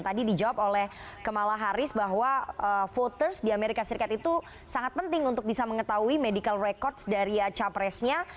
tadi dijawab oleh kamala harris bahwa voters di amerika serikat itu sangat penting untuk bisa mengetahui medical records dari capresnya